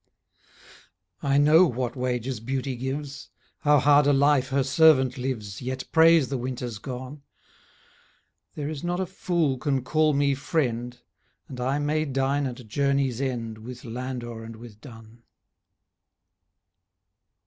I know what wages beauty gives, How hard a life her servant lives, Yet praise the winters gone; There is not a fool can call me friend, And I may dine at journey's end With Landor and with Donne.